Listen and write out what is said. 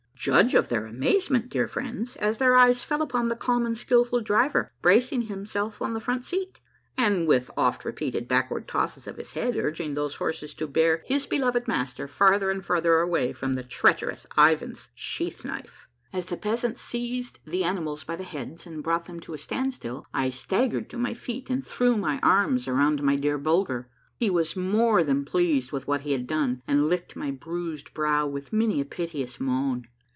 Judge of their amazement, dear friends, as their eyes fell upon the calm and skilful driver bracing himself on the front seat, and with oft repeated backward tosses of his head urging those horses to bear his beloved master farther and farther away from the treacherous Ivan's sheath knife. As the peasants seized the animals by the heads and brought them to a standstill, I staggered to my feet, and threw my arms around my dear Bulger. He was more than pleased with what he had done, and licked my bruised brow with many a piteous moan.